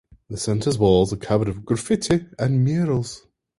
The centre's walls are covered with graffiti and murals.